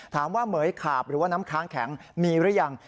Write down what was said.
เหมือยขาบหรือว่าน้ำค้างแข็งมีหรือยัง